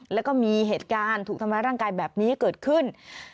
แล้วก็มีเหตุการณ์ถูกทำร้ายร่างกายแบบนี้เกิดขึ้น